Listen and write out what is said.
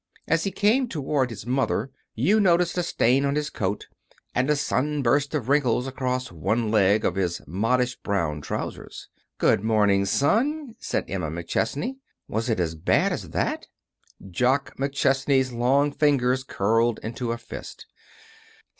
As he came toward his mother you noticed a stain on his coat, and a sunburst of wrinkles across one leg of his modish brown trousers. "Good morning, son!" said Emma McChesney. "Was it as bad as that?" Jock McChesney's long fingers curled into a fist.